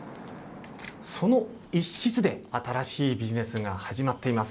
その一室で、新しいビジネスが始まっています。